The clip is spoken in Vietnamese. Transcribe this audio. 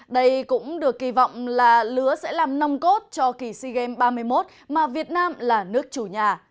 đây cũng được kỳ vọng là lứa sẽ làm nông cốt cho kỳ sea games ba mươi một mà việt nam là nước chủ nhà